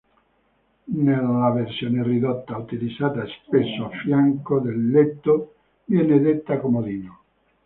Nella versione ridotta utilizzata spesso a fianco del letto viene detta comodino.